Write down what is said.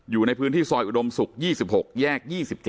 อยู่ในพื้นที่ซอยอุดมศุกร์๒๖แยก๒๗